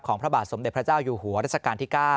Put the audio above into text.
พระบาทสมเด็จพระเจ้าอยู่หัวรัชกาลที่๙